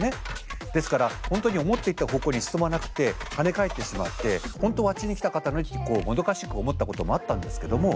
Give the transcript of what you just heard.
ですから本当に思っていた方向に進まなくて跳ね返ってしまって本当はあっちに行きたかったのにってこうもどかしく思ったこともあったんですけども。